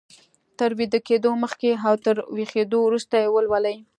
تر ويده کېدو مخکې او تر ويښېدو وروسته يې ولولئ.